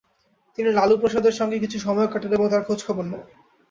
তিনি লালু প্রসাদের সঙ্গে কিছু সময়ও কাটান এবং তাঁর খোঁজখবর নেন।